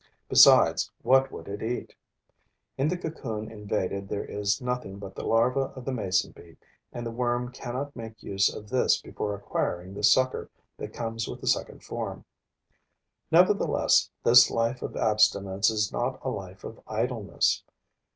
Besides, what would it eat? In the cocoon invaded there is nothing but the larva of the mason bee; and the worm cannot make use of this before acquiring the sucker that comes with the second form. Nevertheless, this life of abstinence is not a life of idleness.